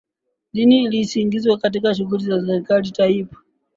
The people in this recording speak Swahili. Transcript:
dini isiingizwe katika shughuli za serekali Tayyip